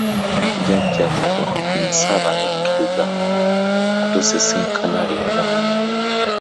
Jjajjaffe Nsamba yakkirizza okutusisinkana leero.